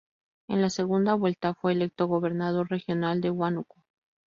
En la segunda vuelta fue electo gobernador regional de Huánuco.